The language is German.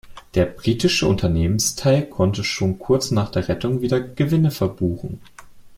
Der britische Unternehmensteil konnte schon kurz nach der Rettung wieder Gewinne verbuchen.